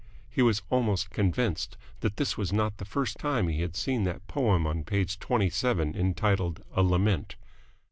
He was almost convinced that this was not the first time he had seen that poem on page twenty seven entitled "A Lament."